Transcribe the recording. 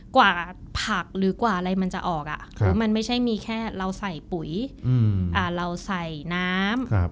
กว่าผักหรือกว่าอะไรมันจะออกคือมันไม่ใช่มีแค่เราใส่ปุ๋ยเราใส่น้ำ